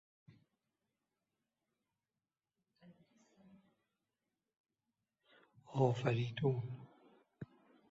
افریدون